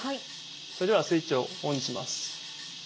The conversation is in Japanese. それではスイッチをオンにします。